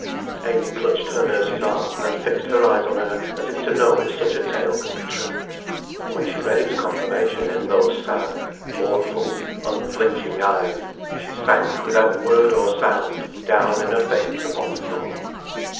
Amy clutched her nurse's arm, and fixed her eyes on her as if to know if such a tale could be true; and when she read its confirmation in those sad, mournful, unflinching eyes, she sank, without word or sound, down in a faint upon the floor.